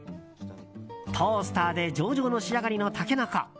トースターで上々な仕上がりのタケノコ。